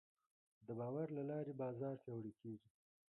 د باور له لارې بازار پیاوړی کېږي.